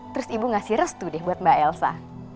terus ibu ngasih restu deh buat mbak elsa